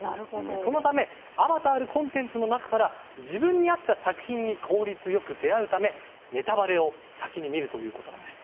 そのためあまたあるコンテンツの中から自分に合った作品に効率よく出会うためネタバレを先に見るということなんです。